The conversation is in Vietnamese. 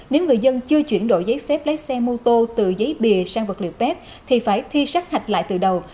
nếu người dân chưa chuyển đổi giấy phép lấy xe mô tô từ giấy bìa sang vật liệu pet thì phải thi sát hạch lại từ đầu